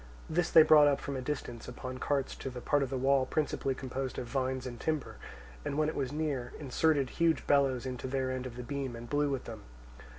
This they brought up from a distance upon carts to the part of the wall principally composed of vines and timber, and when it was near, inserted huge bellows into their end of the beam and blew with them.